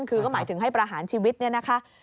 คือก็หมายถึงให้ประหารชีวิตเนี่ยนะคะ